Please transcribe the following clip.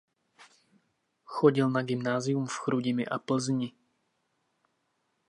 Chodil na gymnázium v Chrudimi a Plzni.